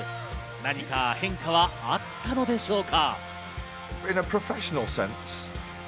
何か変化はあったのでしょうか。